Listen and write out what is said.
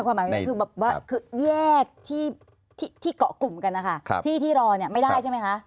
คือแยกที่เกาะกลุ่มกันนะคะที่รอเนี่ยไม่ได้ใช่ไหมคะ